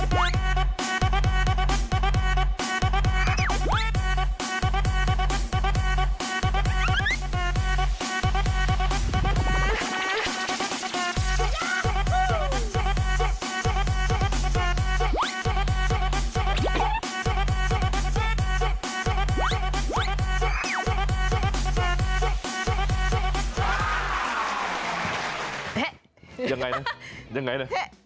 โปรดติดตามตอนต่อไป